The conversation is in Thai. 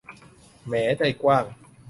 แหม ใจกว้าง